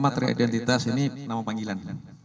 yang pertama triidentitas ini nama panggilan